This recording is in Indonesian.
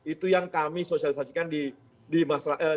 itu yang kami sosialisasi kan di masyarakat